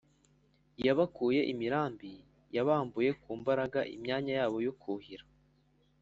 Yabakuye imirambi: Yabambuye ku mbaraga imyanya yabo yo kuhira.